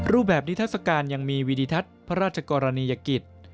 รูปแบบนิทัศกาลยังมีวิธีทัศน์พระราชกรณียกิจ